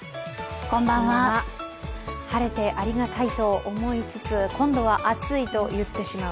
晴れてありがたいと思いつつ今度は暑いと言ってしまう。